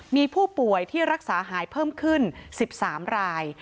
มีผู้ป่วยที่รักษาหายเพิ่มขึ้น๑๓ราย